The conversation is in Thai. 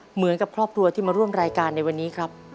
เหมือนกับครอบครัวที่มาร่วมรายการในวันนี้ครับ